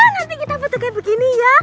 nanti kita foto kayak begini ya